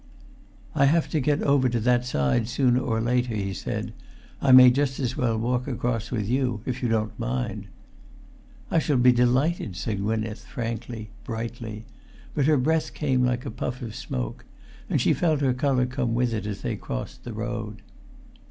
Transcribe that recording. "I have to get over to that side sooner or later," he said. "I may just as well walk across with you, if you don't mind." "I shall be delighted," said Gwynneth, frankly, brightly; but her breath came like a puff of smoke,[Pg 368] and she felt her colour come with it as they crossed the road.